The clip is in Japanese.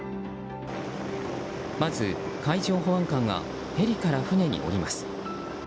まず、海上保安官がヘリから船に降ります。